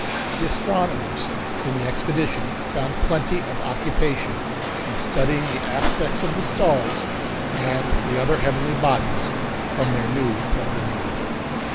The astronomers in the expedition found plenty of occupation in studying the aspects of the stars and the other heavenly bodies from their new point of view.